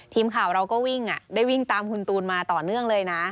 ทีมข่าวเราก็วิ่งได้วิ่งตามคุณตูนมาต่อเนื่องเลยนะ